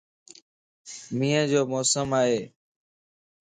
مينھن جو موسم ائي